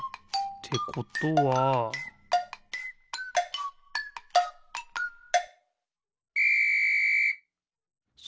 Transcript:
ってことはピッ！